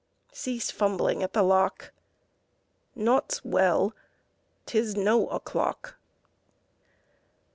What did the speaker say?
Cease fumbling at the lock! Naught's well! 'Tis no o'clock!